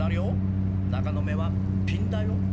中の目はピンだよ。